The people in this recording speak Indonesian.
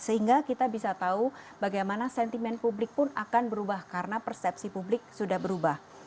sehingga kita bisa tahu bagaimana sentimen publik pun akan berubah karena persepsi publik sudah berubah